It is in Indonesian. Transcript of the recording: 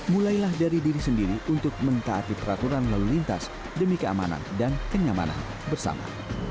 mulailah dari diri sendiri untuk mentaati peraturan lalu lintas demi keamanan dan kenyamanan bersama